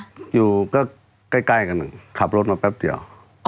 พศ๕๘อยู่ก็ใกล้กันหนึ่งขับรถมาแป๊บเดียว